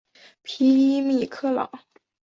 皮伊米克朗。